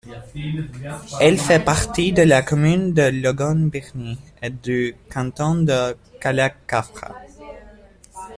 Elle fait partie de la commune de Logone-Birni et du canton de Kalakafra.